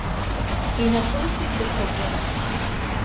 Инаԥылшьит даҽаӡәы.